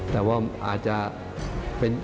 แต่ว่าอาจจะเป็น